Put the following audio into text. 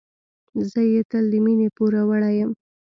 زه یې تل د مينې پوروړی یم.